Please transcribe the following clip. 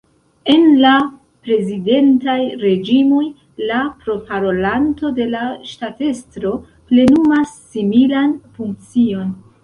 En la prezidentaj reĝimoj, la proparolanto de la ŝtatestro plenumas similan funkcion.